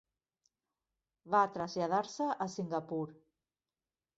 Va traslladar-se a Singapur.